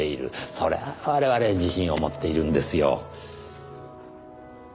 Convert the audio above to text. それは我々自信を持っているんですよ。